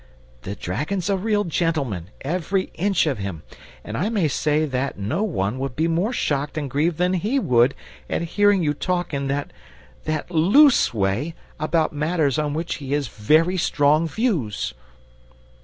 The dragon's a real gentleman, every inch of him, and I may say that no one would be more shocked and grieved than he would, at hearing you talk in that that LOOSE way about matters on which he has very strong views!"